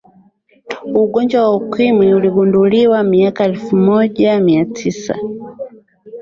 ugonjwa wa ukimwi uligunduliwa miaka ya elfu moja mia tisa